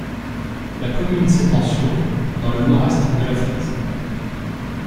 La commune s'étend sur dans le nord-est de la Frise.